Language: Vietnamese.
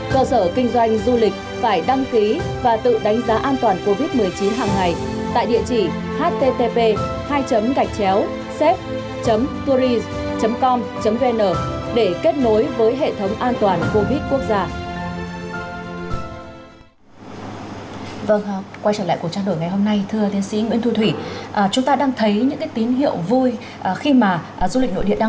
cơ sở kinh doanh du lịch phải đăng ký và tự đánh giá an toàn covid một mươi chín hằng ngày tại http sep tourist com vn để kết nối với hệ thống an toàn covid quốc gia